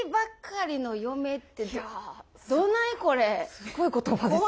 すごい言葉ですよね。